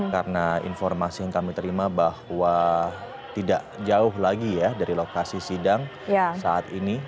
karena informasi yang kami terima bahwa tidak jauh lagi ya dari lokasi sidang saat ini